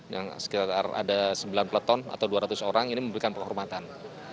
yang sekitar ada sembilan peleton atau dua ratus orang ini memberikan penghormatan